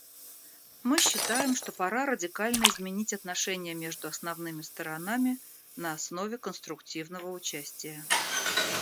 Мы считаем, что пора радикально изменить отношения между основными сторонами на основе конструктивного участия.